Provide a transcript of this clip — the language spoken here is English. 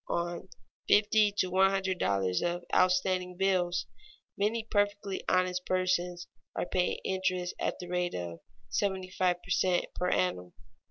On fifty to one hundred dollars of outstanding bills, many perfectly honest persons are paying interest at the rate of seventy five per cent. per annum.